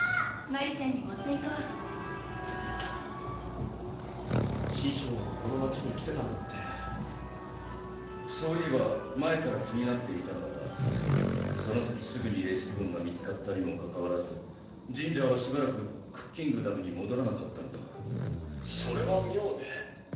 マリちゃんに持っていこう師匠もこの町に来てたなんてそういえば前から気になっていたのだがその時すぐにレシピボンが見つかったにもかかわらずジンジャーはしばらくクッキングダムにもどらなかったのだ「それは妙ね」